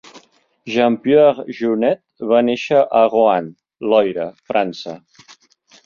Jean-Pierre Jeunet va néixer a Roanne, Loira, França.